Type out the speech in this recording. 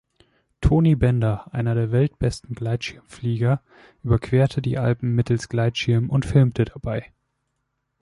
Toni Bender, einer der weltbesten Gleitschirmflieger, überquerte die Alpen mittels Gleitschirm und filmte dabei.